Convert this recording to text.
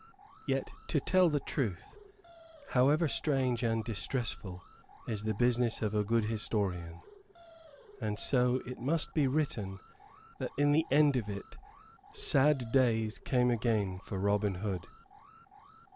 Yet, to tell the truth, however strange and distressful, is the business of a good historian; and so it must be written that in the end of it sad days came again for Robin Hood.